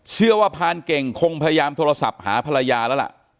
พานเก่งคงพยายามโทรศัพท์หาภรรยาแล้วล่ะ